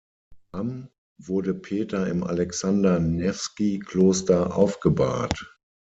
Am wurde Peter im Alexander-Newski-Kloster aufgebahrt.